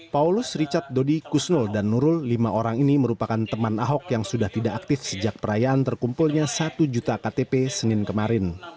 paulus richard dodi kusnul dan nurul lima orang ini merupakan teman ahok yang sudah tidak aktif sejak perayaan terkumpulnya satu juta ktp senin kemarin